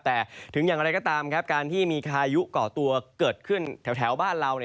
แต่ถึงอย่างไรก็ตามครับการที่มีพายุก่อตัวเกิดขึ้นแถวบ้านเรา